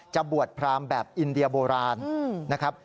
จะบวชพรามแบบอินเดียโบราณนะครับ